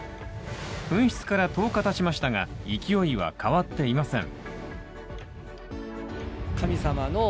噴出から１０日たちましたが勢いは変わっていません。